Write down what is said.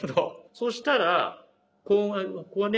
そしたらこうね